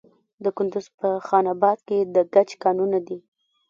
د کندز په خان اباد کې د ګچ کانونه دي.